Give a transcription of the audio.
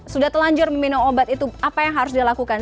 sudah telanjur meminum obat itu apa yang harus dilakukan